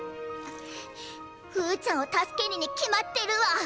ふーちゃんを助けににきまってるわ。